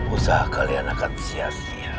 usaha kalian akan sia sia